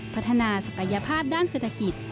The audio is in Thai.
พัฒนาศักยภาพด้านเศรษฐกิจ